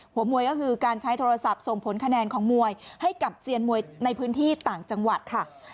หัวมวยก็คือการใช้โทรศัพท์ส่งผลคะแนนของมวยให้กับเซียนมวยในพื้นที่ต่างจังหวัดค่ะ